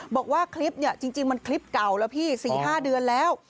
บอกว่าคลิปเนี่ยจริงมันคลิปเก่าแล้วพี่๔๕เดือนแล้ว